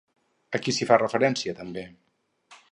A qui s'hi fa referència també?